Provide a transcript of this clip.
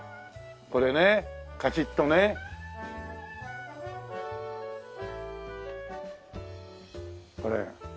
これねカチッとね。これ。